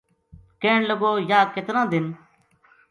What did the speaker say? کہن لگو:”یاہ کتنا دن